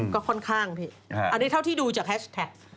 ก็ค่อนข้างพี่อันนี้เท่าที่ดูจากแฮชแท็ก